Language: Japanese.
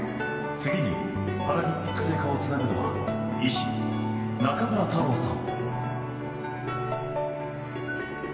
次にパラリンピック聖火をつなぐのは医師、中村太郎さん。